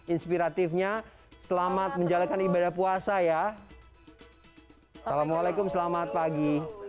inspiratifnya selamat menjalankan ibadah puasa ya assalamualaikum selamat pagi